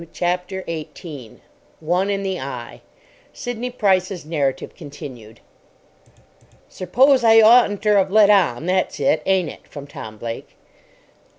CHAPTER 18 ONE IN THE EYE (Sidney Price's narrative continued) "Serpose I oughtn't ter 'ave let on, that's it, ain't it?" from Tom Blake.